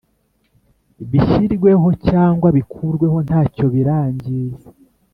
bishyirweho cyangwa bikurweho ntacyo birangiza